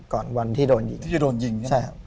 ก่อนวันที่จะโดนยิง